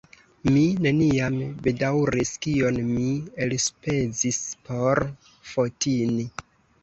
Mi neniam bedaŭris, kion mi elspezis por Fotini.